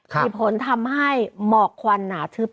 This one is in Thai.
มีผลทำให้หมอกควันหนาทึบ